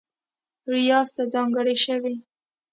ریاض ته ځانګړې شوې